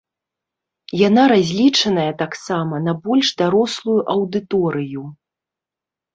Яна разлічаная таксама на больш дарослую аўдыторыю.